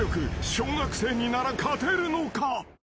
小学生になら勝てるのか？］